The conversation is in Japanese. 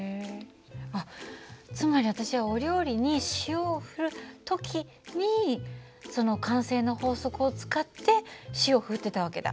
あっつまり私はお料理に塩を振る時にその慣性の法則を使って塩を振ってた訳だ。